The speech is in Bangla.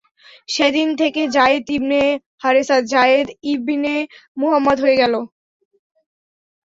সেদিন থেকে যায়েদ ইবনে হারেছা যায়েদ ইবনে মুহাম্মাদ হয়ে গেল।